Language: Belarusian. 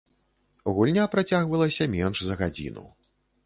Гульня працягвалася менш за гадзіну.